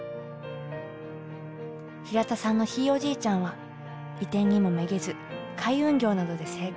平田さんのひいおじいちゃんは移転にもめげず海運業などで成功。